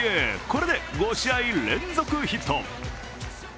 これで５試合連続ヒット。